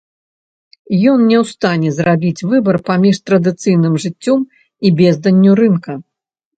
Ён не ў стане зрабіць выбар паміж традыцыйным жыццём і безданню рынка.